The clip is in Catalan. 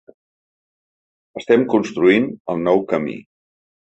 Estem construint el nou camí.